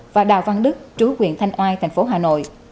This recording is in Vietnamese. và đào văn đức trú huyện thanh oai thành phố hà nội